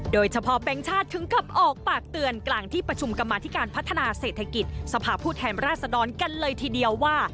แบงค์ชาติถึงกับออกปากเตือนกลางที่ประชุมกรรมาธิการพัฒนาเศรษฐกิจสภาพผู้แทนราชดรกันเลยทีเดียวว่า